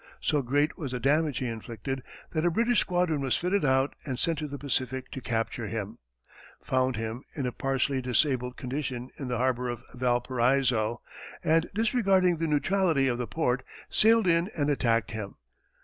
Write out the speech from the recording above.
So great was the damage he inflicted, that a British squadron was fitted out and sent to the Pacific to capture him, found him in a partially disabled condition in the harbor of Valparaiso, and, disregarding the neutrality of the port, sailed in and attacked him.